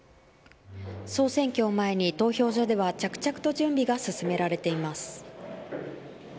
総選挙を前に投票所では着々と準備が進められています。